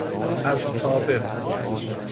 از سابق